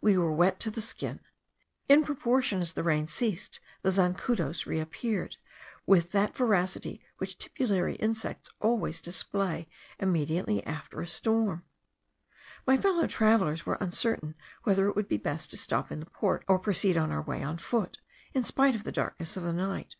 We were wet to the skin. In proportion as the rain ceased, the zancudos reappeared, with that voracity which tipulary insects always display immediately after a storm. My fellow travellers were uncertain whether it would be best to stop in the port or proceed on our way on foot, in spite of the darkness of the night.